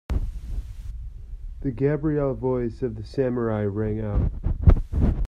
The Gabriel voice of the Samurai rang out.